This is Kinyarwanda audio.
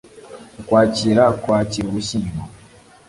ukwakira kwakira ugushyingo